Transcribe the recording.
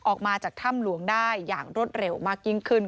ออกมาจากถ้ำหลวงได้อย่างรวดเร็วมากยิ่งขึ้น